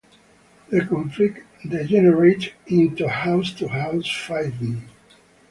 The conflict degenerated into house-to-house fighting.